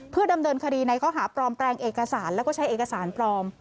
เพื่อดำเนินคดีในข้อหาปลอมแปลงเอกสารแล้วก็ใช้เอกสารปลอม